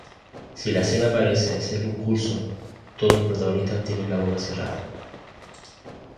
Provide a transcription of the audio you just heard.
Si la escena parece ser un curso, todos los protagonistas tienen la boca cerrada.